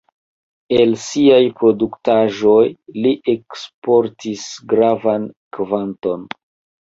El siaj produktaĵoj li eksportis gravan kvanton.